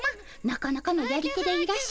なかなかのやり手でいらっしゃいますね。